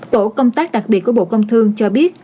tổ công tác đặc biệt của bộ công thương cho biết